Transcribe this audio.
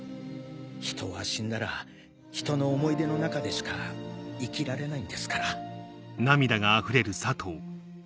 人は死んだら人の思い出の中でしか生きられないんですから。